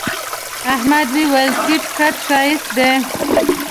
احمد وويل: تيت قد ښایست دی.